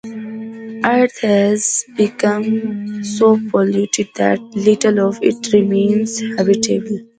Earth has become so polluted that little of it remains habitable.